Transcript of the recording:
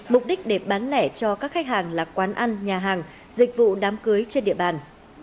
mục đích để bán lẻ cho các khách hàng là quán ăn nhà hàng dịch vụ đám cưới trên địa bàn